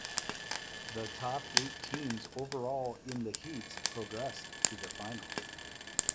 The top eight teams overall in the heats progressed to the final.